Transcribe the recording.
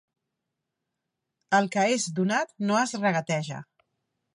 El que és donat no es regateja.